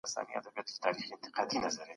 هغه لسيان ورکوي.